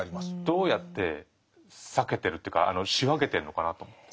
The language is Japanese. どうやって避けてるっていうか仕分けてるのかなと思って。